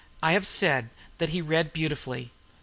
I have said that he read beautifully.